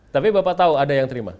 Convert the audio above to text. tapi bapak tahu ada yang terima